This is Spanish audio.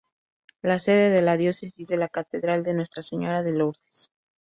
La sede de la Diócesis es la Catedral de Nuestra Señora de Lourdes.